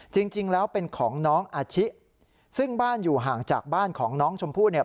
จริงแล้วเป็นของน้องอาชิซึ่งบ้านอยู่ห่างจากบ้านของน้องชมพู่เนี่ย